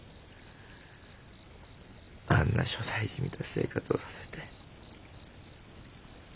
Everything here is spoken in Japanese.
あんな所帯じみた生活をさせて。